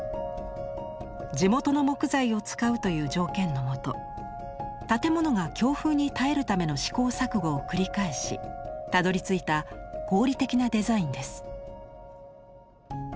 地元の木材を使うという条件のもと建物が強風に耐えるための試行錯誤を繰り返したどりついた合理的なデザインです。